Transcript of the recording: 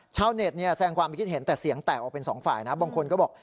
ชาวเน็ตเนี่ยแสงความคิดเห็นแต่เสียงแตกออกเป็นสองฝ่ายนะบางคนก็บอก